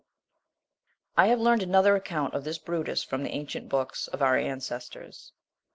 I have learned another account of this Brutus from the ancient books of our ancestors.